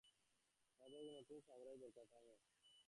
আমাদের একজন নতুন সামুরাই দরকার, থামো!